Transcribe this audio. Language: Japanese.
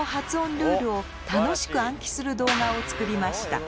ルールを楽しく暗記する動画を作りました。